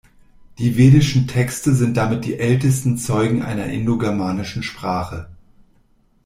Die vedischen Texte sind damit die ältesten Zeugen einer indogermanischen Sprache.